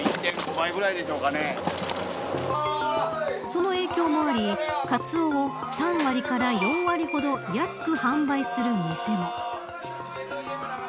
その影響もあり、カツオを３割から４割ほど安く販売する店も。